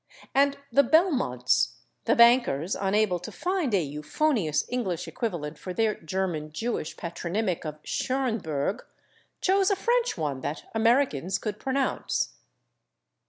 And the /Belmonts/, the bankers, unable to find a euphonious English equivalent for their German Jewish patronymic of /Schönberg/, chose a French one that Americans could pronounce.